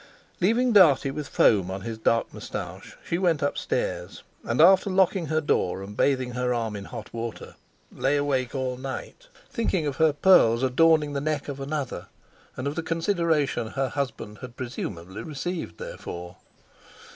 Leaving Dartie with foam on his dark moustache she went upstairs, and, after locking her door and bathing her arm in hot water, lay awake all night, thinking of her pearls adorning the neck of another, and of the consideration her husband had presumably received therefor.